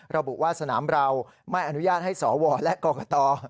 ระบุว่าสนามเราไม่อนุญาตให้สวและกรกต